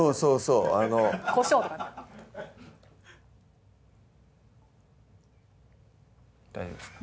そうあのこしょうとかね大丈夫ですか？